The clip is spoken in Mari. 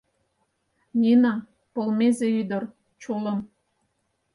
Нина — полмезе ӱдыр, чулым.